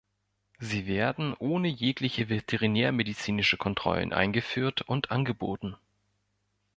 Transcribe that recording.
Sie werden ohne jegliche veterinärmedizinische Kontrollen eingeführt und angeboten.